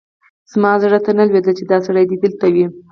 زما زړه ته نه لوېدل چې دا سړی دې دلته وي.